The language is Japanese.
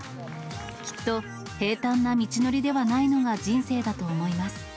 きっと平たんな道のりではないのが人生だと思います。